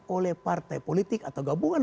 oleh partai politik atau gabungan